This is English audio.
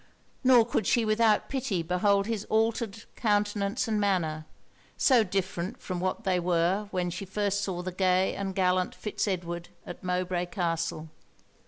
Nor could she without pity behold his altered countenance and manner, so different from what they were when she first saw the gay and gallant Fitz Edward at Mowbray Castle.